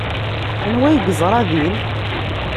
Anwa ay yeẓra din?